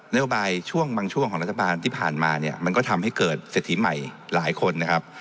โยบายช่วงบางช่วงของรัฐบาลที่ผ่านมาเนี่ยมันก็ทำให้เกิดเศรษฐีใหม่หลายคนนะครับ